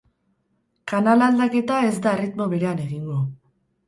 Kanal aldaketa ez da erritmo berean egingo.